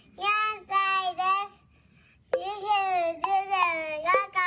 ４さいです。